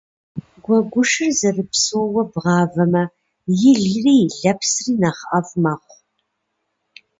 Гуэгушыр зэрыпсоуэ бгъавэмэ, илри и лэпсри нэхъ ӏэфӏ мэхъу.